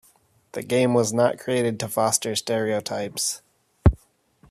The game was not created to foster stereotypes.